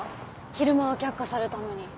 昼間は却下されたのに。